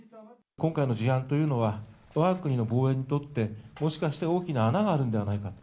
今回の事案というのは、わが国の防衛にとって、もしかして大きな穴があるんではないかと。